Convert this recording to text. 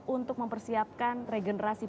untuk mempersiapkan regenerasi